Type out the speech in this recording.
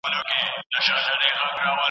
ته په کوم پوهنتون کې د زده کړې اراده لرې؟